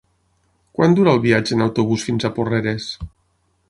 Quant dura el viatge en autobús fins a Porreres?